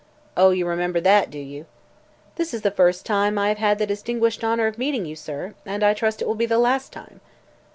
"Oh, you remember that, do you?" "This is the first time I have had the distinguished honor of meeting you, sir, and I trust it will be the last time."